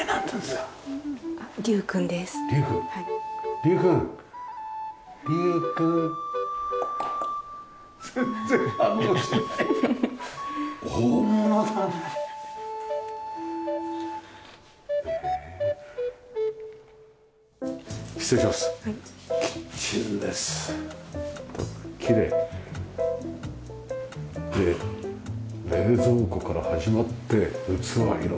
で冷蔵庫から始まって器色んな鉄瓶。